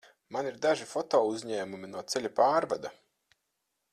Man ir daži fotouzņēmumi no ceļa pārvada.